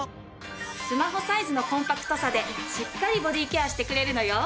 スマホサイズのコンパクトさでしっかりボディーケアしてくれるのよ。